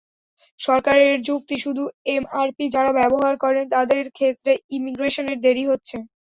সরকারের যুক্তি, শুধু এমআরপি যাঁরা ব্যবহার করেন, তাঁদের ক্ষেত্রে ইমিগ্রেশনে দেরি হচ্ছে।